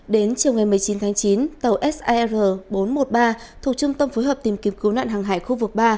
đến chiều ngày một mươi chín tháng chín tàu sir bốn trăm một mươi ba thuộc trung tâm phối hợp tìm kiếm cứu nạn hàng hải khu vực ba